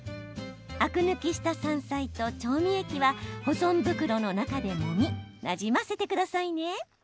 アク抜きした山菜と調味液は保存袋の中でもみなじませてくださいね。